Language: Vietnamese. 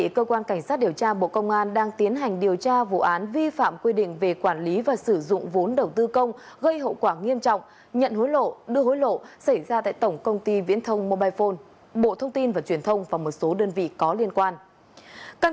cơ quan cảnh sát điều tra bộ công an đang tiến hành điều tra vụ án vi phạm quy định về quản lý và sử dụng vốn đầu tư công gây hậu quả nghiêm trọng nhận hối lộ đưa hối lộ xảy ra tại tổng công ty viễn thông mobile phone bộ thông tin và truyền thông và một số đơn vị có liên quan